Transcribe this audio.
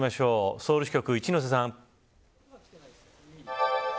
ソウル支局、一之瀬さん。